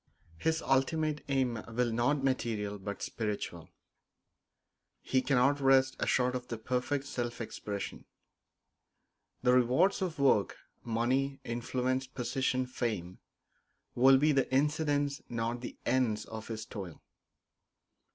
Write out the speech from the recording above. His ultimate aim will be not material but spiritual; he cannot rest short of the perfect self expression. The rewards of work money, influence, position, fame will be the incidents, not the ends, of his toil.